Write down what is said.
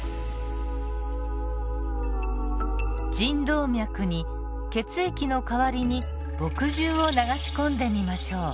腎動脈に血液の代わりに墨汁を流し込んでみましょう。